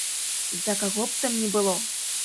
З-за каго б там ні было.